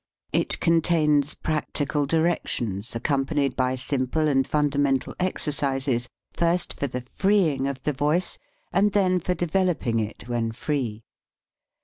It contains prac tical directions accompanied by simple and fundamental exercises, first for the freeing of the voice and then for developing it when free.